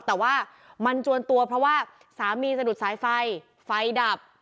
แต่ว่ามันจวนตัวเพราะว่าสามีสะดุดสายไฟไฟดับ